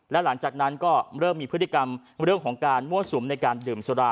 และหลังจากนั้นก็เริ่มมีพฤติกรรมเรื่องของการมั่วสุมในการดื่มสุรา